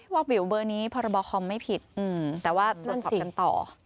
อบวิวเบอร์นี้พรบคอมไม่ผิดแต่ว่าตรวจสอบกันต่อ